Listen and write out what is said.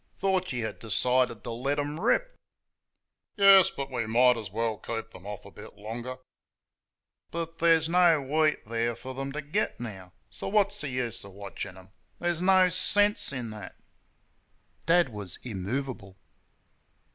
Thought you had decided to let them rip?" "Yes, but we might as well keep them off a bit longer." "But there's no wheat there for them to get now. So what's the good of watching them? There's no sense in THAT." Dad was immovable.